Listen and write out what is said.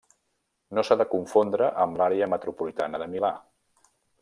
No s'ha de confondre amb l'Àrea metropolitana de Milà.